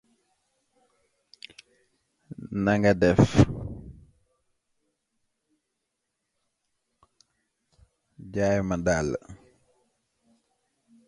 Moreover, as a Marketing Manager, I understand the importance of being adaptable and flexible.